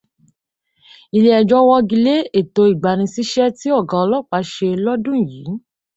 Ilé ẹjọ́ wọ́gilé ètò ìgbanisíṣẹ́ tí ọgá ọlọ́pàá ṣé lọ́dún yíì.